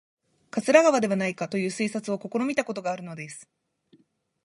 桂川ではないかという推察を試みたことがあるのです